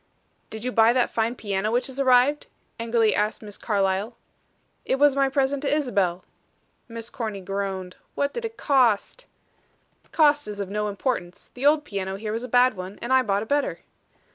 "Did you buy that fine piano which has arrived?" angrily asked Miss Carlyle. "It was my present to Isabel." Miss Corny groaned. "What did it cost?" "The cost is of no consequence. The old piano here was a bad one, and I bought a better."